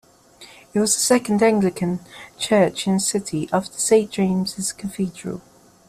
It was the second Anglican church in the city, after Saint James' Cathedral.